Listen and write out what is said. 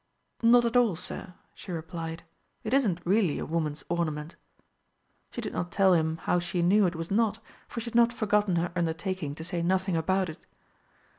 "Not at all, Sir," she replied; "it isn't really a woman's ornament." She did not tell him how she knew it was not, for she had not forgotten her undertaking to say nothing about it.